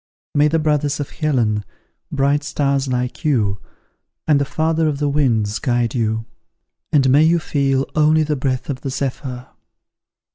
"May the brothers of Helen, bright stars like you, and the Father of the winds, guide you; and may you feel only the breath of the zephyr."